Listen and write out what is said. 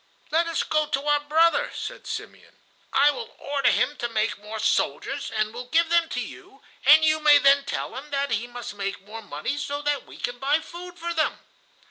"Let us go again to our brother," said Simeon; "I will order him to make more soldiers and will give them to you, and you may then tell him that he must make more money so that we can buy food for them."